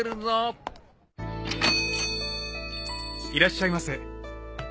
いらっしゃいませ。